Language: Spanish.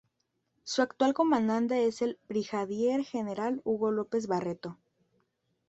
Su actual comandante es el Brigadier General Hugo López Barreto.